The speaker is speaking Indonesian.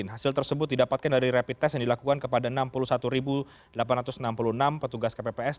hasil tersebut didapatkan dari rapid test yang dilakukan kepada enam puluh satu delapan ratus enam puluh enam petugas kpps